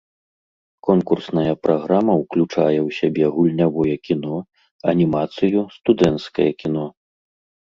Конкурсная праграма ўключае ў сябе гульнявое кіно, анімацыю, студэнцкае кіно.